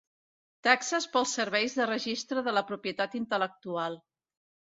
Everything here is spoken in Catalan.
Taxes pels serveis del Registre de la Propietat Intel·lectual.